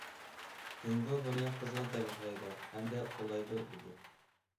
جۇڭگو بۇنى قىزغىن تەبرىكلەيدۇ ھەمدە قوللايدۇ، دېدى.